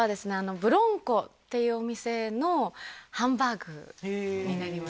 ＢＲＯＮＣＯっていうお店のハンバーグになります